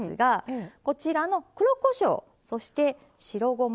こちらの黒こしょうそして白ごま。